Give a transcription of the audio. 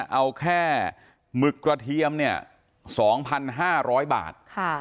เอาแค่หมึกกระเทียมเนี่ย๒๕๐๐บาท